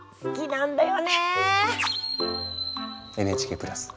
ＮＨＫプラス